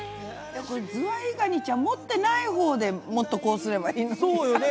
これズワイガニちゃん持ってないほうでもっとこうすればいいのに。